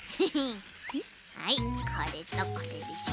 はいこれとこれでしょ。